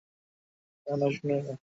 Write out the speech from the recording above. না না, শোনাই না।